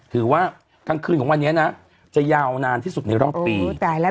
ถือว่ากลางคืนของวันนี้นะจะยาวนานที่สุดในรอบปีโอ้ตายแล้ว